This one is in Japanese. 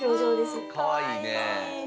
かわいいね。